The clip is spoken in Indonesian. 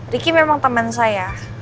riki memang temen saya